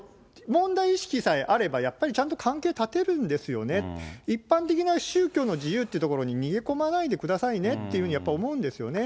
問題意識さえあれば、やっぱりちゃんと関係断てるんですよね、一般的な宗教の自由ってところに逃げ込まないでくださいねっていうふうにやっぱ思うんですよね。